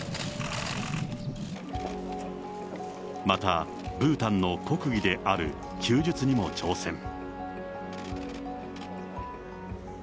また、ブータンの国技である弓術にも挑戦。